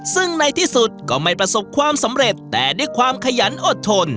ซึ่งในที่สุดก็ไม่ประสบความสำเร็จแต่ด้วยความขยันอดทน